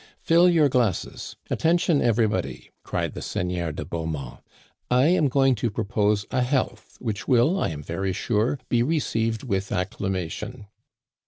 '* Fill your glasses ! Attention, everybody," cried the Seigneur de Beaumont. " I am going to propose a health which will, I am very sure, be received with ac clamation."